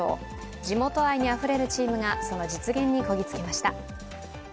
地元愛にあふれるチームがその実現にこぎ着けました。